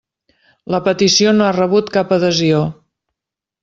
La petició no ha rebut cap adhesió.